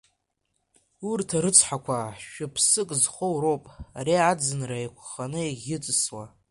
Урҭ арыцҳақәа, шәыԥсык зхоу роуп ари аӡынра еиқәханы иӷыҵысуа.